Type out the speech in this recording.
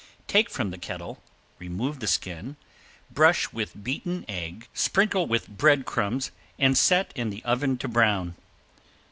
Take from the kettle, remove the skin, brush with beaten egg, sprinkle with bread crumbs and set in the oven to brown.